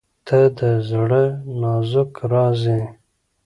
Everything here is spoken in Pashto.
• ته د زړه نازک راز یې.